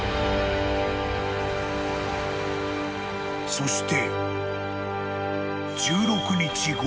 ［そして］